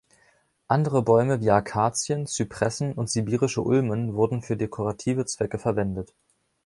Andere Bäume wie Akazien, Zypressen und Sibirische Ulmen wurden für dekorative Zwecke verwendet.